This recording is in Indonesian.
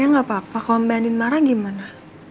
emangnya gak apa apa kalau mbak andien marah gimana